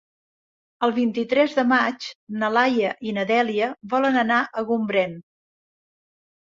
El vint-i-tres de maig na Laia i na Dèlia volen anar a Gombrèn.